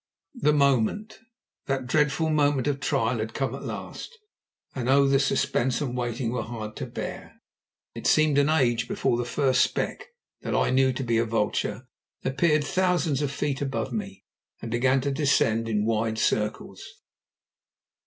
The moment, that dreadful moment of trial, had come at last; and oh! the suspense and the waiting were hard to bear. It seemed an age before the first speck, that I knew to be a vulture, appeared thousands of feet above me and began to descend in wide circles.